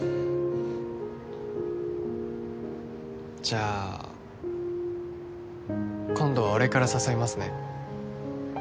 じゃあ今度は俺から誘いますね